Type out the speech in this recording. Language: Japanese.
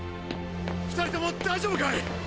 ２人とも大丈夫かい！？